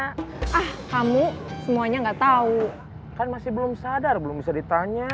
belum bisa ditanya ah kamu semuanya enggak tahu kan masih belum sadar belum bisa ditanya